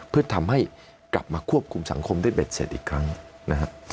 เพื่อทำให้กลับมาควบคุมสังคมได้เบ็ดเสร็จอีกครั้งนะครับ